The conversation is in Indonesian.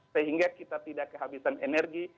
sehingga kita tidak kehabisan energi